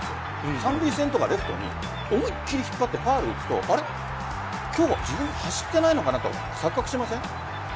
三塁線とかレフトに思い切り引っ張ってファウルを打つと今日は走っていないのかなと錯覚しません？